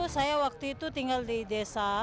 saya waktu itu tinggal di desa